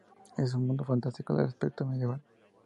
Es un mundo fantástico de aspecto medieval.